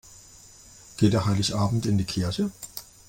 Geht ihr Heiligabend in die Kirche?